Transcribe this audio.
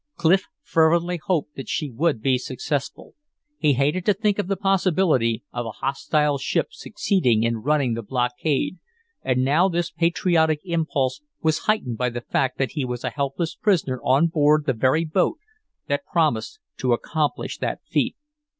Clif fervently hoped that she would be successful. He hated to think of the possibility of a hostile ship succeeding in running the blockade, and now this patriotic impulse was heightened by the fact that he was a helpless prisoner on board the very boat that promised to accomplish that feat.